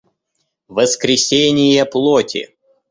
воскресение плоти